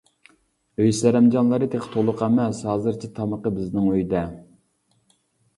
ئۆي سەرەمجانلىرى تېخى تۇلۇق ئەمەس، ھازىرچە تامىقى بىزنىڭ ئۆيدە.